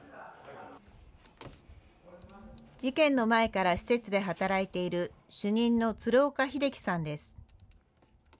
事件の前から施設で働いている主任の鶴岡秀樹さんです。